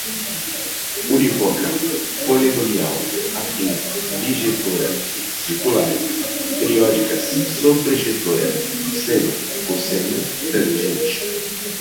unívoca, polinomial, afim, bijetora, circular, periódicas, sobrejetora, seno, cosseno, tangente